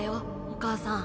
お母さん。